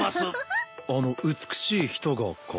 あの美しい人がか？